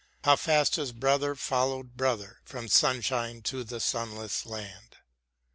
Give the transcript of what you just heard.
How fast has brother follow'd brother From sunshine to the sunless land.